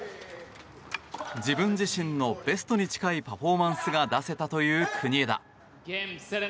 自分自身のベストに近いパフォーマンスが出せたという国枝。